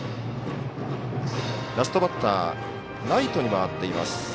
ラストバッターライトに回っています。